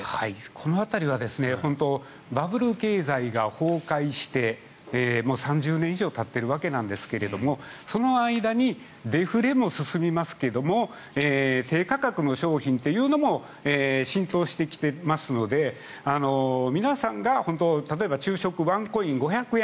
この辺りはバブル経済が崩壊して３０年以上たっているわけですがその間にデフレも進みますけども低価格の商品というのも浸透してきていますので皆さんが例えば昼食でワンコイン、５００円。